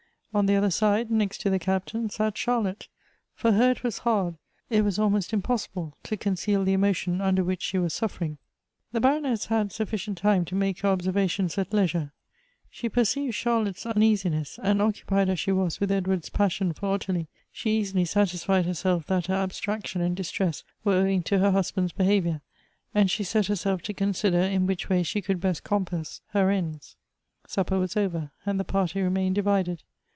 On the other side, next to the Captain, sat Charlotte ; for her it was hard, it was almost impossible, to conceal the emotion under which she was Buffering. The Baroness had sufficient time to make her observa tions at leisure. She perceived Charlotte's uneasiness, and occupied as she was with Edward's passion for Ottilie, she easily satisfied herself that her abstraction and distress were owing to her husband's behavior ; and she set her self to consider in which way she could best compass her ends. Supper was over, and the party remained divided.